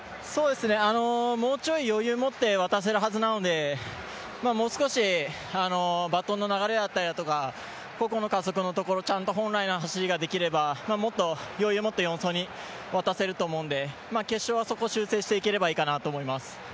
もうちょい余裕を持って渡せるはずなので、もう少しバトンの流れだったりだとか個々の加速のところ、ちゃんと本来の走りができればもっと余裕をもって４走に渡せると思うので、決勝は底を修正していければいいかなと思います。